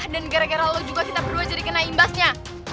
dan gara gara lo juga kita berdua jadi kena imbasnya